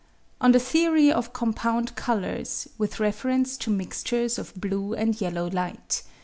On the Theory of Compound Colours with reference to Mixtures of Blue and Yellow Light.